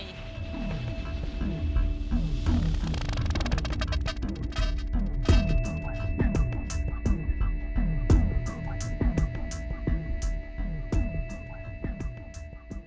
โปรดติดตามตอนต่อไป